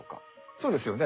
そうですよね。